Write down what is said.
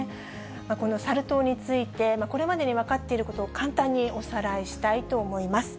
このサル痘について、これまでに分かっていることを簡単におさらいしたいと思います。